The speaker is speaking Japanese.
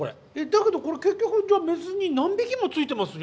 だけどこれ結局じゃあメスに何匹もついてます